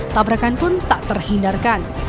tabrakan pun tak terhindarkan